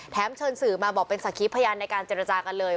เชิญสื่อมาบอกเป็นสักขีพยานในการเจรจากันเลย